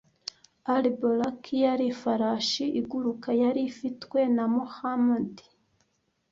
Al Borak yari ifarashi iguruka yari ifitwe na Mohammed